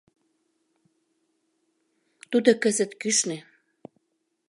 Тудо кызыт кӱшнӧ.